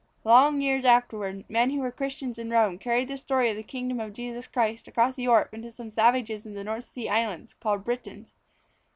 |++ Long years afterward, men who were Christians in Rome carried the story of the Kingdom of Jesus Christ across Europe to some savages in the North Sea Islands called Britons.